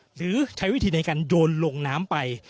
หรือใช้วิธีในการโยนลงน้ำไป